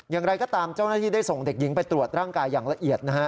อย่างไรก็ตามเจ้าหน้าที่ได้ส่งเด็กหญิงไปตรวจร่างกายอย่างละเอียดนะฮะ